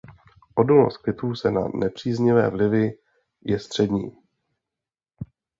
Odolnost květů na nepříznivé vlivy je střední.